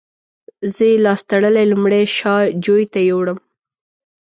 زه یې لاس تړلی لومړی شا جوی ته یووړم.